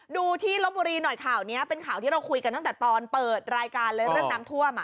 ดูที่ลบบุรีหน่อยข่าวนี้เป็นข่าวที่เราคุยกันตั้งแต่ตอนเปิดรายการเลยเรื่องน้ำท่วม